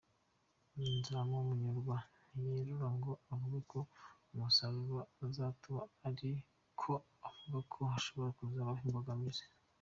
Nzahumunyurwa ntiyerura ngo avuge ko umusaruro uzatuba, ariko avuga ko hashobora kuzabaho imbogamizi.